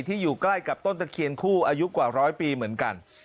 อยู่ใกล้กับต้นตะเคียนคู่อายุกว่าร้อยปีเหมือนกัน